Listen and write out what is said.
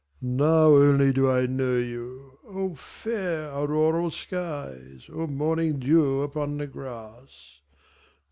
Now only do I know you, O fair auroral skies O morning dew upon the grass!